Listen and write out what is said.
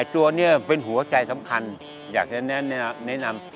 ตัวนี้เป็นหัวใจสำคัญอยากจะแนะนำ